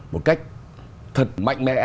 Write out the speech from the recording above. một cách thật mạnh mẽ